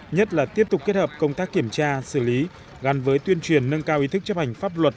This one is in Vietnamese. nhất là tiếp tục kết hợp công tác kiểm tra xử lý gắn với tuyên truyền nâng cao ý thức chấp hành pháp luật